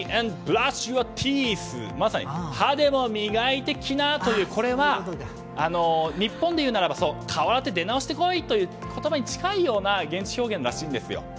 まさに歯でも磨いてきなというこれは日本で言うなら顔洗って出直してこい！という言葉に近いような現地表現らしいんです。